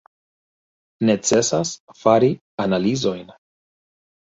Necesas fari analizojn.